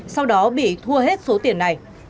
sau đó bị thua hết số tiền này